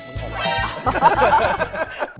บอกมันของพ่อ